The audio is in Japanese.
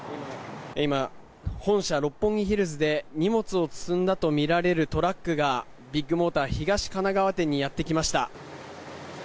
今、本社六本木ヒルズで荷物を積んだとみられるトラックがビッグモーター東神奈川店にやってきました。